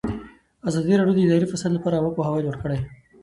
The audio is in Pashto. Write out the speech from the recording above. ازادي راډیو د اداري فساد لپاره عامه پوهاوي لوړ کړی.